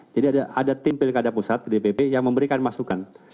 jadi ada tim pilkada pusat dpp yang memberikan masukan